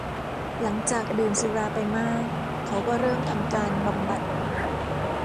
หลังจากดื่มสุราไปมากเขาก็เริ่มทำการบำบัด